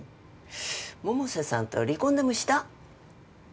百瀬さんと離婚でもした？